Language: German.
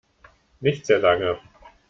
Nicht sehr lange.